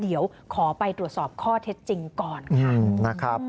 เดี๋ยวขอไปตรวจสอบข้อเทศจริงก่อนค่ะ